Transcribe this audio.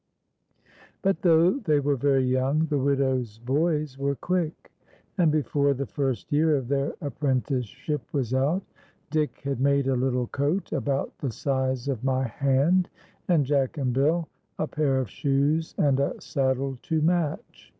121 But thouj^h they were very young, the widow's boys were quick; and before the first year of their appren ticesiiip was out, Dick liad made a little coat about the size of n .y hand, and Jack and Bill a pair of shoes and a saddle to match.